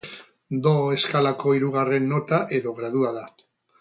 Do eskalako hirugarren nota edo gradua da.